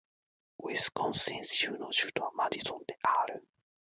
ウィスコンシン州の州都はマディソンである